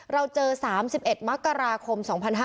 เราเจอ๓๑มกราคม๒๕๕๙